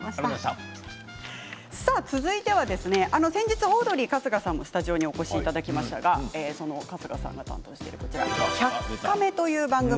続いては先日オードリー春日さんもスタジオにお越しいただきましたが「１００カメ」という番組